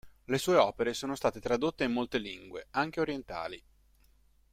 Le sue opere sono state tradotte in molte lingue, anche orientali.